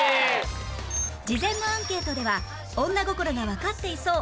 事前のアンケートでは「女心がわかっていそう」